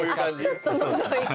ちょっとのぞいて？